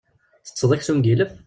Ttetteḍ aksum n yilef?